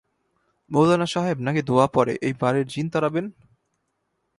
মৌলানা সাহেব নাকি দোয়া পড়ে এই বাড়ির জিন তাড়াবেন!